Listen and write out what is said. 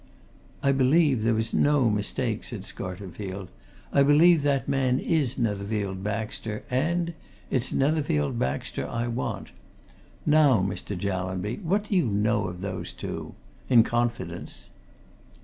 "I believe there was no mistake," said Scarterfield. "I believe that man is Netherfield Baxter, and it's Netherfield Baxter I want. Now, Mr. Jallanby, what do you know of those two? In confidence!"